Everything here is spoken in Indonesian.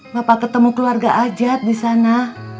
bapak ketemu keluarga ajat disana